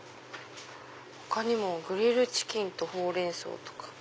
他にもグリルチキンとほうれん草とか。